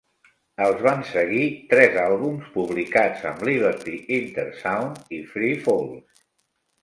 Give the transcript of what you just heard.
Els van seguir tres àlbums publicats amb Liberty, Intersound i Free Falls.